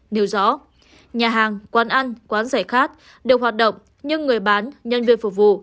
điều rõ nhà hàng quán ăn quán giải khát đều hoạt động nhưng người bán nhân viên phục vụ